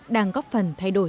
đang góp phần thay đổi